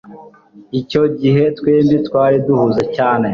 Icyo gihe twembi twari duhuze cyane.